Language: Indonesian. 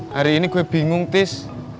hari ini gue bingung tis